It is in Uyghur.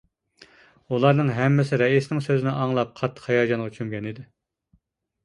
ئۇلارنىڭ ھەممىسى رەئىسنىڭ سۆزىنى ئاڭلاپ قاتتىق ھاياجانغا چۆمگەن ئىدى.